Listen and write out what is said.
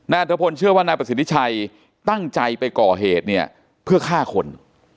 นัทพลเชื่อว่านับสิทธิชัยตั้งใจไปก่อเหตุเพื่อฆ่าคน